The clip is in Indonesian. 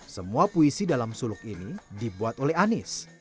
semua puisi dalam suluk ini dibuat oleh anies